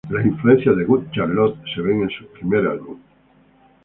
Las influencias de Good Charlotte se ven en su primer álbum.